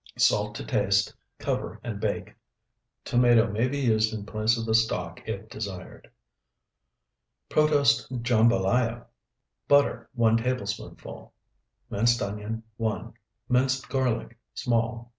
Salt to taste, cover, and bake. Tomato may be used in place of the stock if desired. PROTOSE JAMBALAYA Butter, 1 tablespoonful. Minced onion, 1. Minced garlic, small, 1.